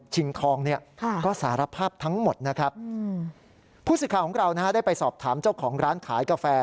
ชิงทองก็สารภาพทั้งหมดนะครับผู้สิทธิ์ของเราได้ไปสอบถามเจ้าของร้านขายกาแฟ